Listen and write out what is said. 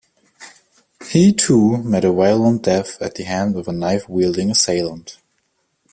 He, too, met a violent death at the hand of a knife-wielding assailant.